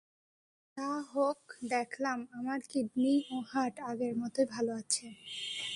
যা হোক, দেখলাম আমার কিডনি ও হার্ট আগের মতই ভাল আছে।